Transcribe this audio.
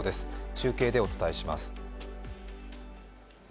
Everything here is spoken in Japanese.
中継でお伝えします。